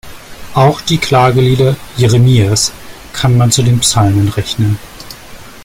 Auch die Klagelieder Jeremias kann man zu den Psalmen rechnen.